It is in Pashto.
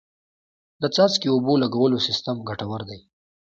د څاڅکي اوبو لګولو سیستم ګټور دی.